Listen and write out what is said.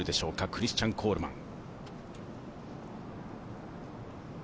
クリスチャン・コールマン。